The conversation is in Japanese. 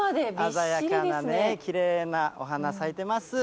鮮やかなきれいなお花、咲いてます。